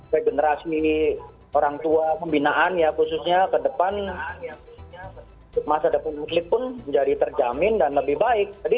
regenerasi orang tua pembinaan ya khususnya ke depan masa depan muslim pun menjadi terjamin dan lebih baik